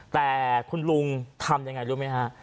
แต่คุณลุงทำยังไงรู้ไหมฮะ